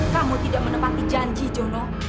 kamu tidak menepati janji jono